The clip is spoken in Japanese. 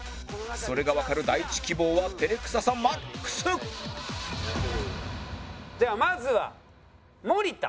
それがわかる第１希望は照れくささマックスではまずは森田。